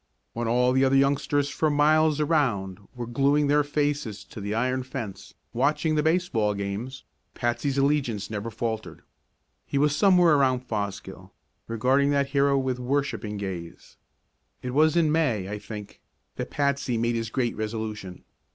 When all the other youngsters for miles around were gluing their faces to the iron fence watching the baseball games, Patsy's allegiance never faltered. He was somewhere around Fosgill, regarding that hero with worshiping gaze. It was in May, I think, that Patsy made his Great Resolution.